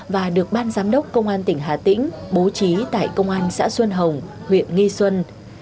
và được ban giám đốc công an tỉnh hà tĩnh bố trí tại công an xã xuân hồng huyện nghi xuân